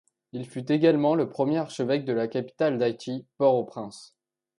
Il fut également le premier archevêque de la capitale d'Haïti, Port-au-Prince.